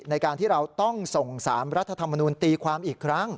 ในการที่เราต้องส่ง๓รัฐธรรมนูลตีความอีกครั้ง